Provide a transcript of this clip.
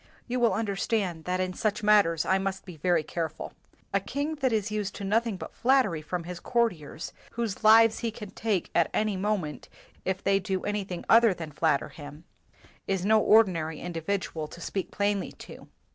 You will understand that in such matters I must be very careful. A king that is used to nothing but flattery from his court iers, whose lives he can take at any moment if they do anything other than flatter him, is no ordinary individual to speak plainly to.